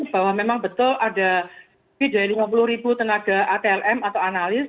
bahwa memang betul ada lebih dari lima puluh ribu tenaga atlm atau analis